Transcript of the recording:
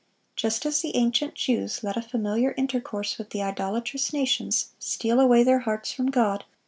Just as the ancient Jews let a familiar intercourse with the idolatrous nations steal away their hearts from God